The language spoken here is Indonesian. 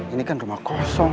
ini kan rumah kosong